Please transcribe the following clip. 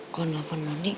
telefon gila gak enak juga